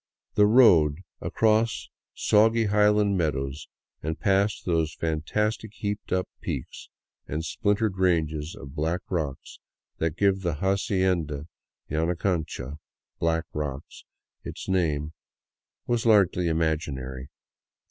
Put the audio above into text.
The " road " across soggy highland meadows and past those fan tastic heaped up peaks and splintered ranges of black rocks that give the " Hacienda Yanacancha "(" Black Rocks ") its name, was largely imaginary.